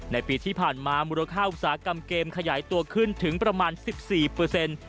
ในปีที่ผ่านมามูลค่าอุตสาหกรรมเกมขยายตัวขึ้นถึงประมาณสิบสี่เปอร์เซ็นต์